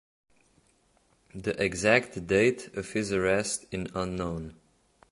The exact date of his arrest in unknown.